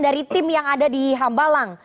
dari tim yang ada di hambalang